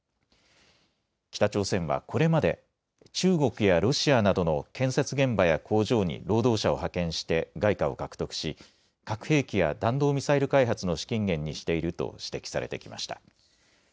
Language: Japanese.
北朝鮮はこれまで中国やロシアなどの建設現場や工場に労働者を派遣して外貨を獲得し、核兵器や弾道ミサイル開発の資金源にしていると指摘されてきました。